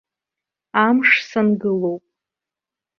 Амш сангылоуп.